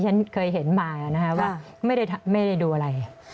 ฉันเคยเห็นมาว่าไม่ได้ดูอะไร